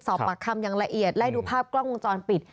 สอบปากคำอย่างละเอียดไล่ดูภาพกล้องวงจรปิด